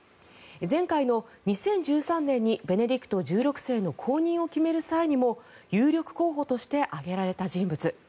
前回の２０１３年にベネディクト１６世の後任を決める際にも有力候補として挙げられた人物。